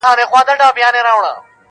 نوي یې راوړي تر اټکه پیغامونه دي-